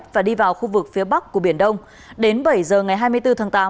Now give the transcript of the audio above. và đi vào khu vực phía bắc của biển đông đến bảy giờ ngày hai mươi bốn tháng tám